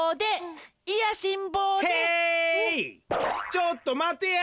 ちょっとまてや！